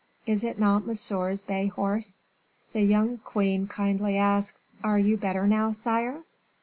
Is it not Monsieur's bay horse?" The young queen kindly asked, "Are you better now, sire?"